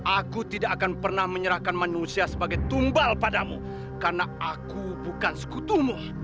aku tidak akan pernah menyerahkan manusia sebagai tumbal padamu karena aku bukan sekutumu